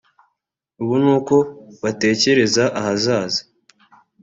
ubu n’uko batekereza ahazaza